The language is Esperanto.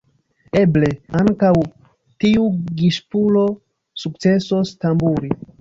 Eble, ankaŭ tiu gipsulo sukcesos tamburi.